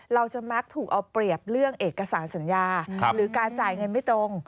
จะมักถูกเอาเปรียบเรื่องเอกสารสัญญาหรือการจ่ายเงินไม่ตรง